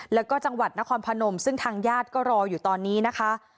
แล้วก็จังหวัดนครพนมซึ่งทางญาติก็รออยู่ตอนนี้นะคะ